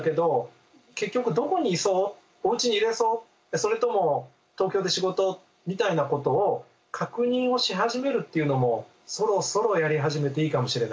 それとも東京で仕事？みたいなことを確認をし始めるっていうのもそろそろやり始めていいかもしれない。